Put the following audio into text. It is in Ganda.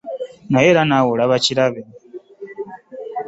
Naye era naawe olaba kirabe.